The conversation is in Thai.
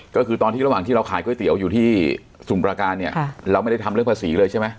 ก็คือตอนที่ระหว่างที่เราขายก๋วยเตี๋ยวอยู่ที่สมุประการเนี่ยเราไม่ได้ทำเรื่องภาษีเลยใช่ไหม